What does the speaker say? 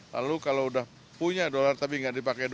lalu kalau sudah punya dolar tapi tidak dipakai